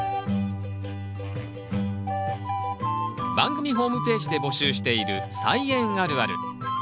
番組ホームページで募集している「菜園あるある」。